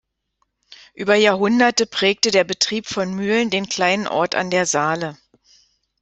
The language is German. Über Jahrhunderte prägte der Betrieb von Mühlen den kleinen Ort an der Saale.